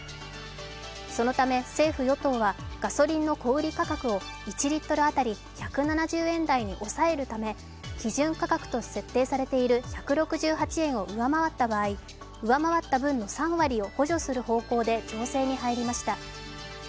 そのため、政府・与党はガソリンの小売価格を１リットル当たり＝１７０円台に抑えるため基準価格と設定されている１６８円を上回った場合、上回った分の３割を補助する方向で調整に入りました。